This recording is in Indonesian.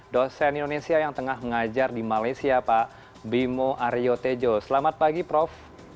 dosen indonesia yang tengah mengajar di malaysia pak bimo aryo tejo selamat pagi prof